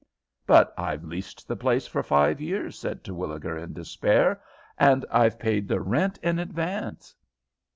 "But I've leased the place for five years," said Terwilliger, in despair; "and I've paid the rent in advance."